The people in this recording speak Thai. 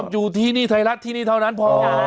อยู่ที่นี่ไทยรัฐที่นี่เท่านั้นพอ